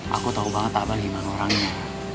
aku tahu banget abah gimana orangnya